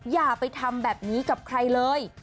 อย่าไปทำแบบนี้กับใครเลย